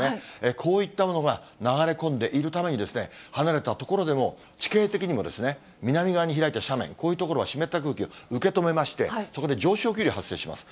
こういったものが流れ込んでいるために、離れた所でも、地形的にも、南側に開いた斜面、こういう所は湿った空気を受け止めまして、そこで上昇気流が発生します。